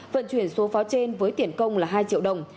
vận chuyển số pháo trên với tiền công là hai triệu đồng